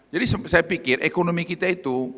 jadi saya pikir ekonomi kita itu